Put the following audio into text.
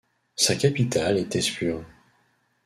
Sa capitale est Tezpur.